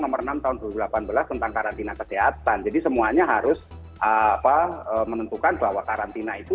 nomor enam tahun dua ribu delapan belas tentang karantina kesehatan jadi semuanya harus apa menentukan bahwa karantina itu